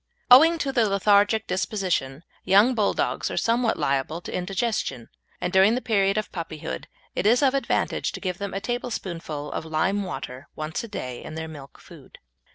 Owing to their lethargic disposition, young Bulldogs are somewhat liable to indigestion, and during the period of puppyhood it is of advantage to give them a tablespoonful of lime water once a day in their milk food.